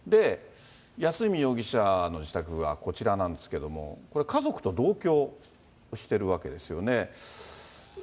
安栖容疑者の自宅はこちらなんですけれども、これ、家族と同居してるわけですよね。